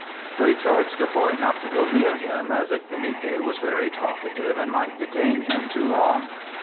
But he charged the boy not to go near him, as Ictinike was very talkative and might detain him too long.